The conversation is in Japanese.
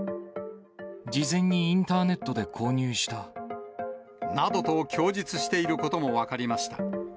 事前にインターネットで購入した。などと、供述していることも分かりました。